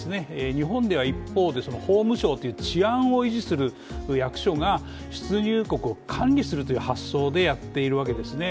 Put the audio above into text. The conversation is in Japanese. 日本では一方、法務省という治安を維持する役所が出入国を管理するという発想でやっているわけですね。